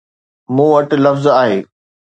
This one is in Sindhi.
مون وٽ لفظ آهي